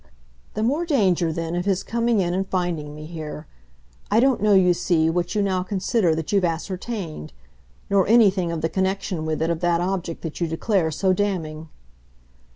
"The more danger then of his coming in and finding me here. I don't know, you see, what you now consider that you've ascertained; nor anything of the connexion with it of that object that you declare so damning."